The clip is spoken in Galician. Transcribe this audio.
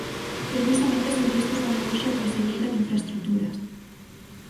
Precisamente sobre isto falou hoxe a conselleira de Infraestruturas.